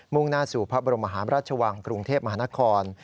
่งหน้าสู่พระบรมหาราชวังกรุงเทพมหานคร